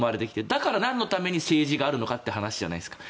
だからなんのために政治があるのかって話じゃないですか。